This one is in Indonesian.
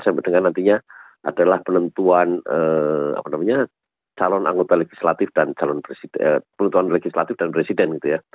sampai dengan nantinya adalah penentuan calon anggota legislatif dan presiden